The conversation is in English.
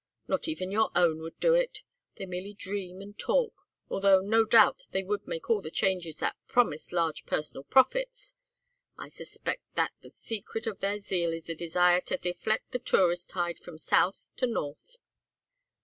Not even your own would do it. They merely dream and talk, although, no doubt, they would make all the changes that promised large personal profits. I suspect that the secret of their zeal is the desire to deflect the tourist tide from south to north."